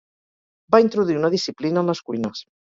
Va introduir una disciplina en les cuines.